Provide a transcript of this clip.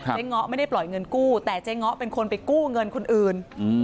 เงาะไม่ได้ปล่อยเงินกู้แต่เจ๊ง้อเป็นคนไปกู้เงินคนอื่น